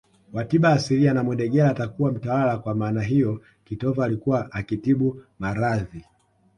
wa tiba asilia na mudegela atakuwa mtawala kwa maana hiyo kitova alikuwa akitibu maradhi